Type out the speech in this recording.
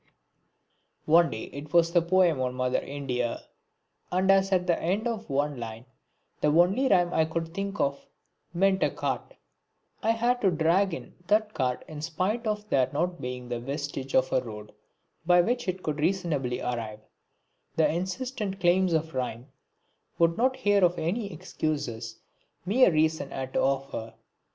One day it was a poem on "Mother India" and as at the end of one line the only rhyme I could think of meant a cart, I had to drag in that cart in spite of there not being the vestige of a road by which it could reasonably arrive, the insistent claims of rhyme would not hear of any excuses mere reason had to offer.